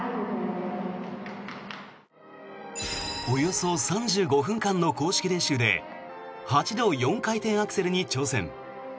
およそ３５分間の公式練習で８度４回転アクセルに挑戦。